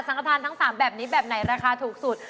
กระทานทั้ง๓แบบนี้แบบไหนราคาถูกสุด